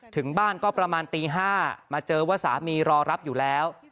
ถึงบ้านก็ประมาณตี๕มาเจอว่าสามีรอรับอยู่แล้ว